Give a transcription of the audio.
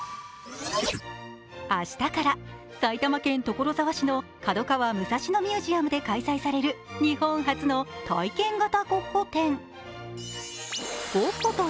明日から埼玉県所沢市の角川武蔵野ミュージアムで開催される日本初の体験型ゴッホ展。